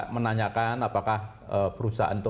menanyakan apakah perusahaan itu